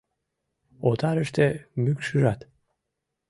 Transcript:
Отарыште мӱкшыжат